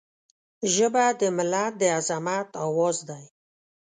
ژبه د ملت د عظمت آواز دی